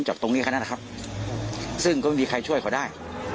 จากตรงนี้แค่นั้นนะครับซึ่งก็ไม่มีใครช่วยเขาได้